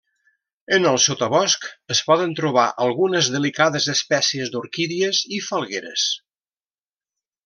En el sotabosc es poden trobar algunes delicades espècies d'orquídies, i falgueres.